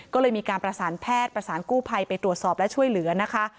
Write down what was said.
ก็เลยมีการประสานแพทย์ประสานกู้ภัยไปตรวจสอบและช่วยเหลือนะคะ